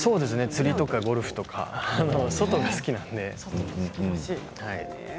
釣りとかゴルフとか外が好きなので。